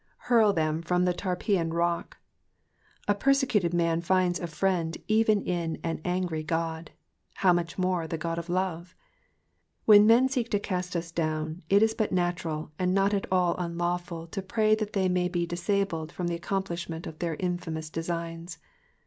Hurl them from the Tarpeian rock. A persecuted man finds a friend even in an angry Qod, how much more in the Ood of love 1 When men seek to cast us down, it is but natural and not at all un lawful to pray that they may be disabled from the accomplishment of their infamous designs.